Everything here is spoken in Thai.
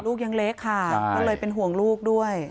ลูกยังเล็กค่ะก็เลยเป็นห่วงลูกด้วย